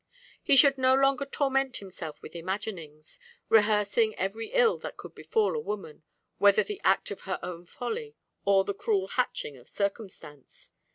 He should no longer torment himself with imaginings, rehearsing every ill that could befall a woman, whether the act of her own folly or the cruel hatching of Circumstance.